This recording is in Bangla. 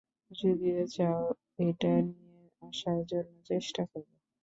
যদি চাও এটা নিয়ে আসার জন্য চেষ্টা করবো।